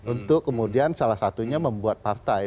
untuk kemudian salah satunya membuat partai